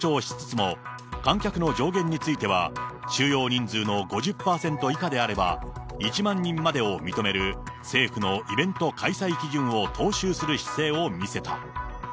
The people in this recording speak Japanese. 尾身会長との連携を強調しつつも、観客の上限については、収容人数の５０％以下であれば、１万人までを認める政府のイベント開催基準を踏襲する姿勢を見せた。